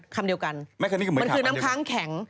คำเดียวกันมันคือน้ำค้างแข็ง